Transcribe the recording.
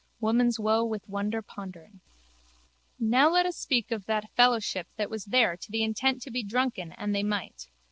Woman's woe with wonder pondering. Now let us speak of that fellowship that was there to the intent to be drunken an they might.